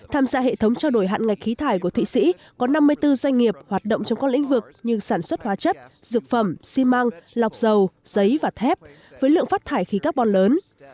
tham gia hệ thống trao đổi hạn ngạch khí thải của thụy sĩ có năm mươi bốn doanh nghiệp hoạt động trong các lĩnh vực như sản xuất hóa chất dược phẩm xi măng lọc dầu giấy và thép với lượng phát thải khí carbon lớn